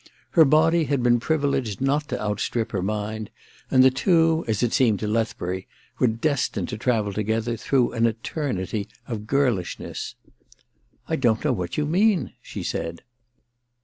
Her body had been privileged not to outstrip her mind, and the two, as it seemed to Lethbury, were destined to travel together through an eternity of girlishness. * I don't know what you mean,' she said.